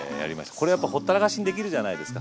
これやっぱほったらかしにできるじゃないですか。